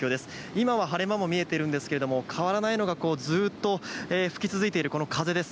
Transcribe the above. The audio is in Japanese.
今は晴れ間も見えているんですが変わらないのが吹き続いている風です。